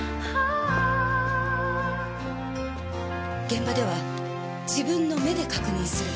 現場では自分の目で確認する。